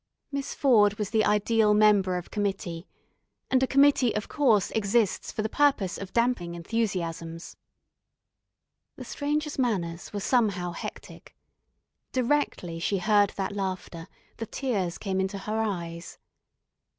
Miss Ford was the ideal member of committee, and a committee, of course, exists for the purpose of damping enthusiasms. The Stranger's manners were somehow hectic. Directly she heard that laughter the tears came into her eyes.